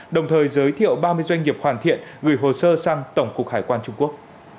đồng thời giới thiệu ba mươi doanh nghiệp hoàn thiện gửi hồ sơ sang tổng cục hải quan trung quốc